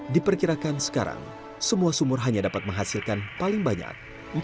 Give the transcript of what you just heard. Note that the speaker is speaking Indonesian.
diperkirakan sekarang semua sumur hanya dapat menghasilkan paling banyak